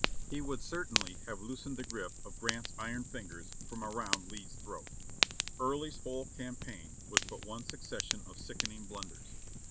He would cer tainly have loosened the grip of Grant's iron fingers from around Lee's throat. Early's whole campaign was but one succession of sickening blunders.